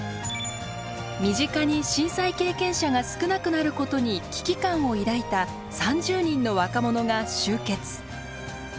身近に震災経験者が少なくなることに危機感を抱いた３０人の若者が集結。